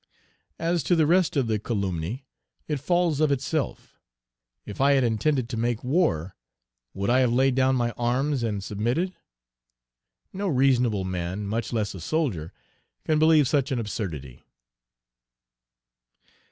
As to the rest of the calumny, it falls of itself; if I had intended to make war, would I have laid down my arms and submitted? No reasonable man, much less a soldier, can believe such an absurdity.